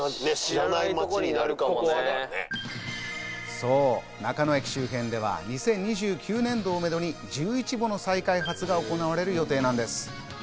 そう、中野駅周辺では２０２９年度をめどに、１１もの再開発が行われる予定なんです。